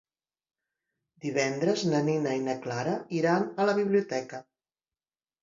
Divendres na Nina i na Clara iran a la biblioteca.